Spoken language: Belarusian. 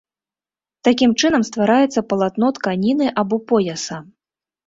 Такім чынам ствараецца палатно тканіны або пояса.